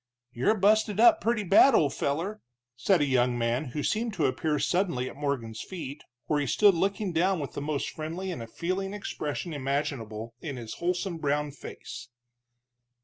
"You're busted up purty bad, old feller," said a young man who seemed to appear suddenly at Morgan's feet, where he stood looking down with the most friendly and feeling expression imaginable in his wholesome brown face.